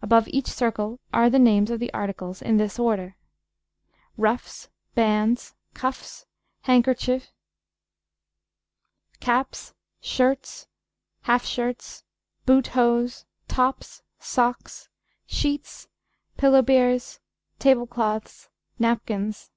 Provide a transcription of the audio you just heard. Above each circle are the names of the articles in this order: Ruffs. Bandes. Cuffes. Handkercher. Cappes. Shirtes. Halfshirts. Boote Hose. Topps. Sockes. Sheetes. Pillowberes. Table Clothes. Napkins.